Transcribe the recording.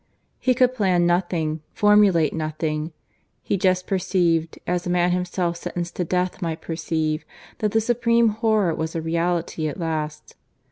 He could plan nothing, formulate nothing. He just perceived, as a man himself sentenced to death might perceive, that the Supreme Horror was a reality at last.